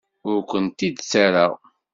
Ur kent-id-ttarraɣ.